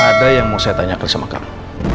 ada yang mau saya tanya kesempatan kamu